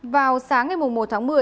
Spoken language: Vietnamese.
vào sáng ngày một tháng một mươi